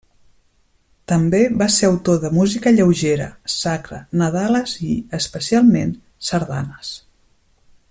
També va ser autor de música lleugera, sacra, nadales i, especialment, sardanes.